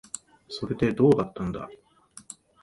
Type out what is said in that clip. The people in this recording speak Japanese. それで、どうだったんだ。